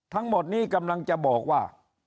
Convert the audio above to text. ทั้งหมดนี้กำลังจะบอกว่า